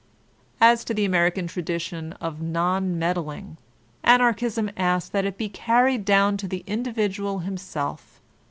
As to the American tradition of non^meddling, Anarch ism asks that it be carried down to the individual him self.